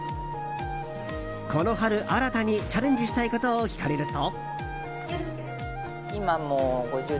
この春新たにチャレンジしたいことを聞かれると。